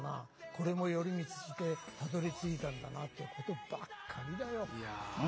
これも寄り道してたどりついたんだなっていうことばっかりだよ。